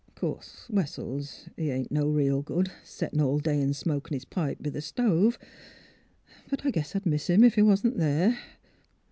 'Course, Wessels, he ain't no real good, settin' all day an' smokin' 'is pipe b' th' stove. But I guess I'd miss 'im if he wa'n't there.